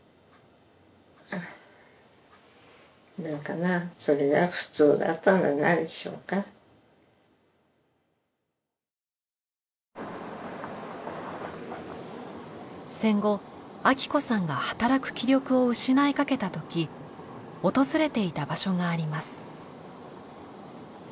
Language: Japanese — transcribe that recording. なんかなそれが戦後アキ子さんが働く気力を失いかけたとき訪れていた場所があります。